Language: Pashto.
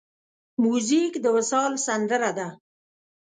موزیک د وصال سندره ده.